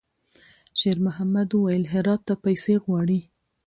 شېرمحمد وويل: «هرات ته پیسې غواړي.»